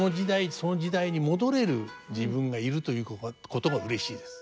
その時代に戻れる自分がいるということもうれしいです。